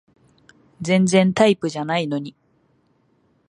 全然タイプじゃないのに